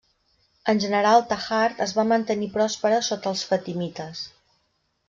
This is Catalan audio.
En general Tahart es va mantenir pròspera sota els fatimites.